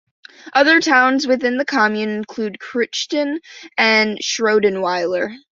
Other towns within the commune include Cruchten and Schrondweiler.